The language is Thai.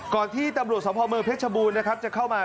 ที่ตำรวจสมภาพเมืองเพชรบูรณ์นะครับจะเข้ามา